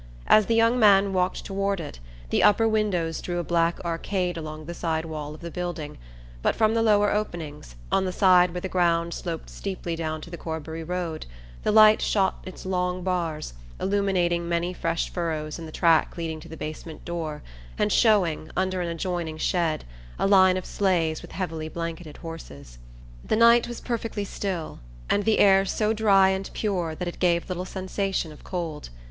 As the young man walked toward it the upper windows drew a black arcade along the side wall of the building, but from the lower openings, on the side where the ground sloped steeply down to the Corbury road, the light shot its long bars, illuminating many fresh furrows in the track leading to the basement door, and showing, under an adjoining shed, a line of sleighs with heavily blanketed horses. The night was perfectly still, and the air so dry and pure that it gave little sensation of cold.